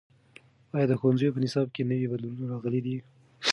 ایا د ښوونځیو په نصاب کې نوي بدلونونه راغلي دي؟